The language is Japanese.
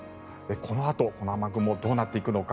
このあとこの雨雲がどうなっていくのか。